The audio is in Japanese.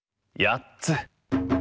やっつ。